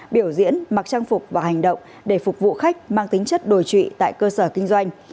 biểu diễn mặc trang phục và hành động để phục vụ khách mang tính chất đổi trụy tại cơ sở kinh doanh